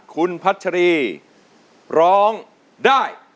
คุณพัชรีร้องได้